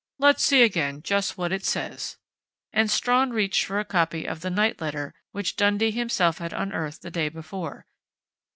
Let's see again just what it says," and Strawn reached for a copy of the night letter which Dundee himself had unearthed the day before.